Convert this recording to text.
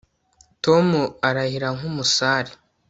tom arahira nk'umusare